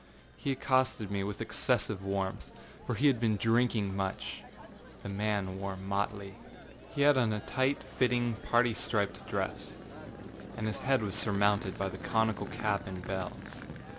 He accosted me with excessive warmth, for he had been drinking much. The man wore motley. He had on a tight fitting parti striped dress, and his head was surmounted by the conical cap and bells.